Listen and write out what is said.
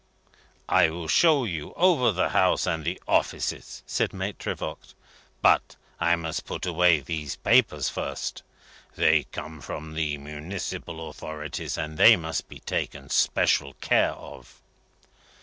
"I will show you over the house and the offices," said Maitre Voigt, "but I must put away these papers first. They come from the municipal authorities, and they must be taken special care of."